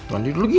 mandi dulu gi